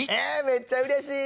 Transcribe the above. めっちゃうれしい！